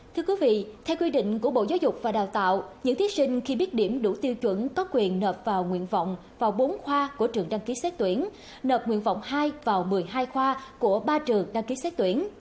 thưa quý vị theo quy định của bộ giáo dục và đào tạo những thí sinh khi biết điểm đủ tiêu chuẩn có quyền nợp vào nguyện vọng vào bốn khoa của trường đăng ký xét tuyển nợ nguyện vọng hai vào một mươi hai khoa của ba trường đăng ký xét tuyển